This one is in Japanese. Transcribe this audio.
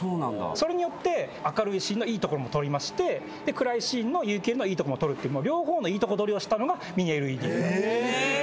それによって明るいシーンのいいところも取りまして暗いシーンの有機ＥＬのいいとこも取るって両方のいいとこ取りをしたのがＭｉｎｉＬＥＤ。